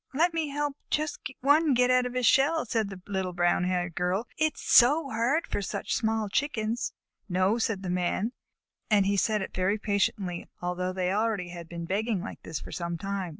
"Let me help just one get out of his shell," said the brown haired Little Girl. "It is so hard for such small Chickens." "No," said the Man, and he said it very patiently, although they had already been begging like this for some time.